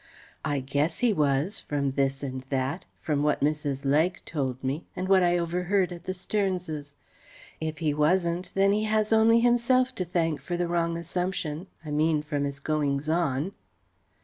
I guess he was, from this and that, from what Mrs. Legg told me, and what I overheard at the Sterns'. If he wasn't, then he has only himself to thank for the wrong assumption: I mean, from his goings on.